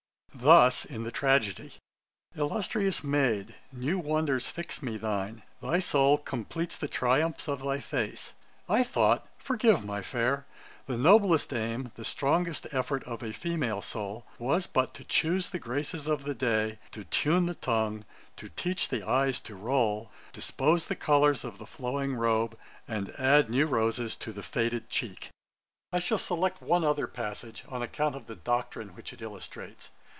] Thus in the tragedy: 'Illustrious maid, new wonders fix me thine; Thy soul completes the triumphs of thy face: I thought, forgive my fair, the noblest aim, The strongest effort of a female soul Was but to choose the graces of the day, To tune the tongue, to teach the eyes to roll, Dispose the colours of the flowing robe, And add new roses to the faded cheek.' I shall select one other passage, on account of the doctrine which it illustrates.